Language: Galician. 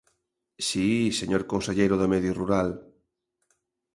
Si, señor conselleiro do Medio Rural.